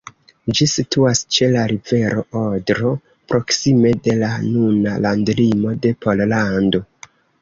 Ĝi situas ĉe la rivero Odro, proksime de la nuna landlimo de Pollando.